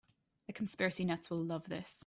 The conspiracy nuts will love this.